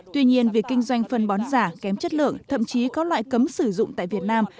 tuy nhiên việc kinh doanh phân bón giả kém chất lượng thậm chí có loại cấm sử dụng tại việt nam